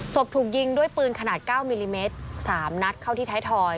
ถูกยิงด้วยปืนขนาด๙มิลลิเมตร๓นัดเข้าที่ไทยทอย